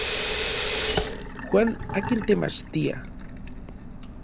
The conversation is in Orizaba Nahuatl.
Juan akin temachtia.